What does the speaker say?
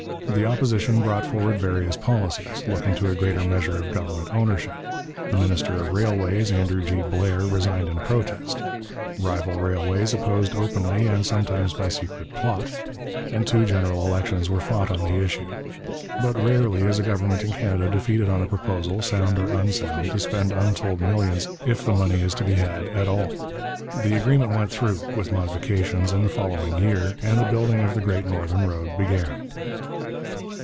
The Opposition brought forward various policies, looking to a greater measure of government ownership; the minister of Railways, Andrew G. Blair, resigned in protest; rival railways opposed openly and sometimes by secret plot; two general elections were fought on the issue. But rarely is a government in Canada defeated on a proposal, sound or unsound, to spend untold millions, if the money is to be had at all. The agreement went through, with modifications, in the following year, and the building of the great northern road began.